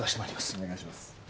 お願いします